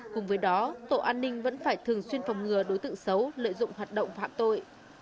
cùng với đó tổ an ninh vẫn phải thường xuyên phòng ngừa đối tượng xấu lợi dụng hoạt động phạm tội